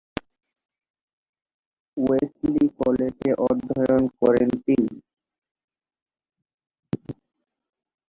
Wesley কলেজে অধ্যয়ন করেন তিনি।